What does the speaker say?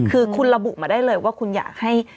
คือคุณระบุมาได้เลยว่าคุณอยากให้